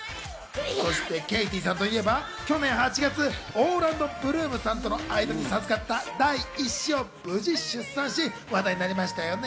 ケイティさんといえば去年８月、オーランド・ブルームさんとの間に授かった第１子を無事出産し、話題になりましたよね。